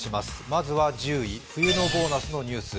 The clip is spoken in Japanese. まずは１０位、冬のボーナスのニュース。